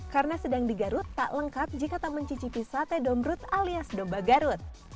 karena sedang di garut tak lengkap jika tak mencicipi sate dombrut alias domba garut